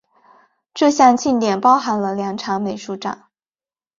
这项庆典包含了两场美术展。